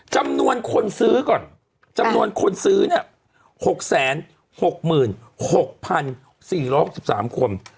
จำนวนคนซื้อก่อนจำนวนคนซื้อเนี่ย๖๖๔๖๓คน